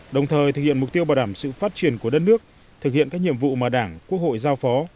đồng thời thực hiện mục tiêu bảo đảm sự phát triển của đất nước thực hiện các nhiệm vụ mà đảng quốc hội giao phó